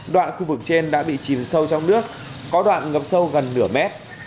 đoạn khu vực trên đã bị chìm sâu trong nước có đoạn ngập sâu gần nửa mét